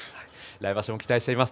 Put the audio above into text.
来場所も期待しています。